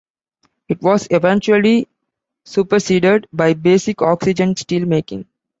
It was eventually superseded by basic oxygen steelmaking.